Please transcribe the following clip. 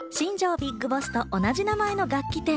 ＢＩＧＢＯＳＳと同じ名前の楽器店。